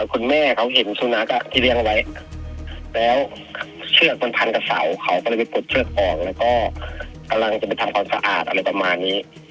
คุณแม่เขาเห็นสุนัขที่เลี้ยงไว้แล้วเชือกมันพันกับเสาเขาก็เลยไปกดเชือกออกแล้วก็กำลังจะไปทำความสะอาดอะไรประมาณนี้